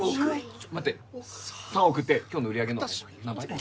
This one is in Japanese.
ちょっ待って３億って今日の売り上げの何倍？